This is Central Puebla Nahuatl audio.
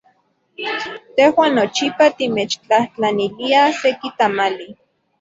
Tejuan nochipa timechtlajtlaniliaj seki tamali.